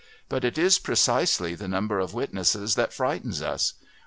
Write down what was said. But it is precisely the number of witnesses that frightens us.